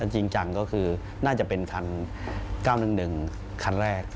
จริงจังก็คือน่าจะเป็นคัน๙๑๑คันแรก